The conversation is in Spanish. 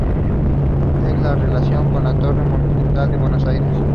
Es relacionada con la Torre Monumental de Buenos Aires.